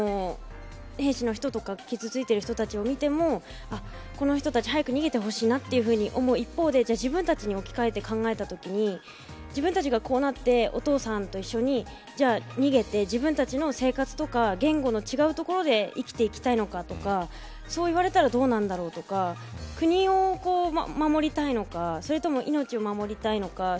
兵士の人とか傷ついてる人たちを見てもこの人たち早く逃げてほしいなと思う一方でじゃあ、自分たちに置き換えて考えたときに自分たちがこうなってお父さんと一緒に逃げて自分たちの生活とか言語の違う所で生きていきたいのかとかそう言われたらどうなんだろうとか国を守りたいのかそれとも命を守りたいのか